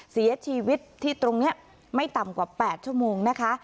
เสียชีวิตที่ตรงนี้ไม่ต่ำกว่า๘ชั่วโมงนะคะ